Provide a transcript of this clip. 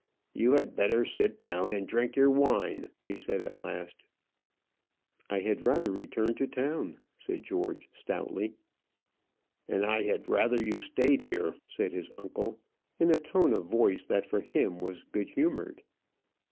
"You had better sit down and drink your wine," he said at last. "I had rather return to town," said George, stoutly. "And I had rather you stayed here," said his uncle, in a tone of voice that for him was good humoured.